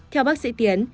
theo bác sĩ tiến